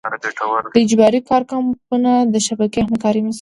د اجباري کار کمپونه د شبکه همکارۍ مثال دی.